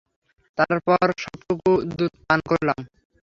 তারপর সবটুকু দুধপান করলাম।